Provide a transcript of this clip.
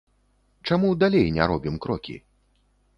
Чаму далей не робім крокі?